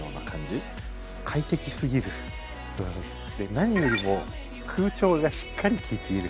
何よりも空調がしっかり利いている。